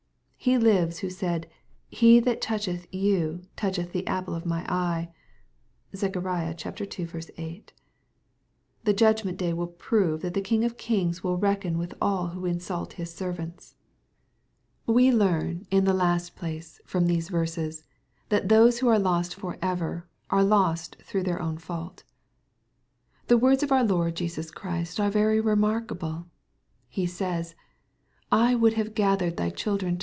He lives who said, (^ he that toucheth you, toucheth the apple of mine ey^*' (Zech. ii. 8.) The judgment day will prove that the King of kings will reckon with all who insult His servants. SIO EXPOSITOBT THOUGHTS. We learn, in the last place^ from these veises^feAo^ thosh who are lost for ever^ are lost through their ovmfauUA The words of our Lord Jesus Christ are very remarK able. He sajs, ^\1 would have gathered thy childrer.